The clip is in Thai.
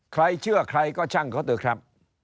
ใครเชื่อใครก็ช่างเขาเถอะครับ